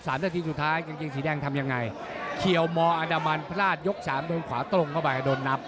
นาทีสุดท้ายกางเกงสีแดงทำยังไงเฉียวมออันดามันพลาดยกสามโดนขวาตรงเข้าไปโดนนับ